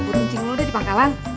putungcing lu udah di pangkalan